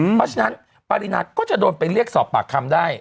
เพราะฉะนั้นปรินาก็จะโดนไปเรียกสอบปากคำได้